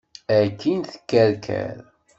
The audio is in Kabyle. Akin tekkerker.